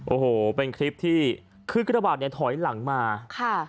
โอ้โหเป็นคลิปที่คือกระบาดเนี่ยถอยหลังมาค่ะ